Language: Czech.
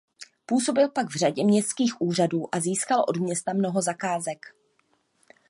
Působil pak v řadě městských úřadů a získal od města mnoho zakázek.